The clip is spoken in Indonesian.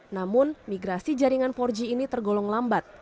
namun migrasi jaringan empat g ini tergolong lambat